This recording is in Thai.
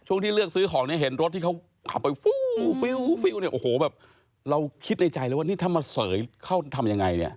ที่เลือกซื้อของเนี่ยเห็นรถที่เขาขับไปฟูฟิวเนี่ยโอ้โหแบบเราคิดในใจเลยว่านี่ถ้ามาเสยเข้าทำยังไงเนี่ย